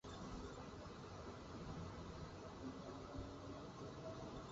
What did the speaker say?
Está sepultado en el cementerio de San Isidro